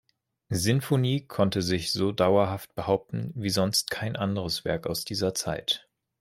Sinfonie" konnte sich so dauerhaft behaupten wie sonst kein anderes Werk aus dieser Zeit.